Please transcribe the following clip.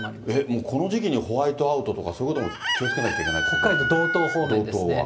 もうこの時期にホワイトアウトとか、そういうことも気をつけ北海道道東方面ですね。